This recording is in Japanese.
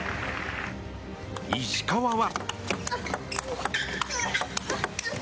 石川は。